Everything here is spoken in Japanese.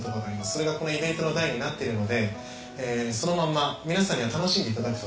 それがこのイベントの題になっているのでそのまんま皆さんには楽しんでいただくと。